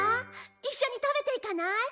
一緒に食べていかない？